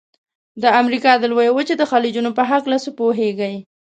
د امریکا د لویې وچې د خلیجونو په هلکه څه پوهیږئ؟